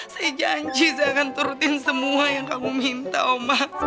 saya janji saya akan turutin semua yang kamu minta ombak